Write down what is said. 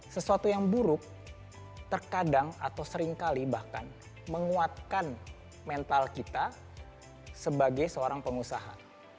sesuatu yang buruk terkadang atau seringkali bahkan menguatkan mental kita sebagai seorang pengusaha